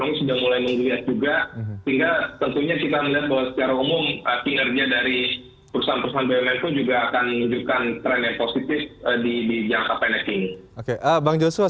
us dan ukraine karena